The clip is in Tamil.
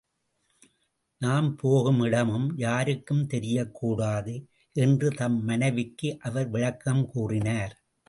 நாம் போகும் இடமும் யாருக்கும் தெரியக்கூடாது என்று தம் மனைவிக்கு அவர் விளக்கம் கூறினார்.